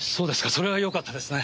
それはよかったですね。